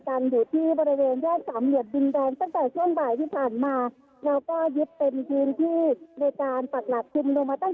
เข้าไปบริเวณใต้ด่วนดินแดงนะคะและก็อีกส่วนนึง่งไปทางถนนดินแดง